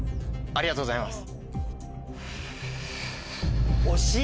ありがとうございます。